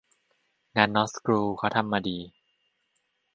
งานน๊อตสกรูเค้าทำมาดี